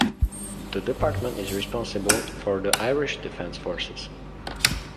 The Department is responsible for the Irish Defence Forces.